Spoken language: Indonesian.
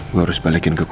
gue harus balikin ke kota